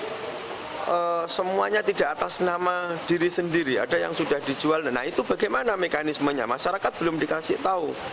nah semuanya tidak atas nama diri sendiri ada yang sudah dijual nah itu bagaimana mekanismenya masyarakat belum dikasih tahu